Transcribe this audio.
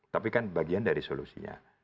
tapi kan bagian dari solusinya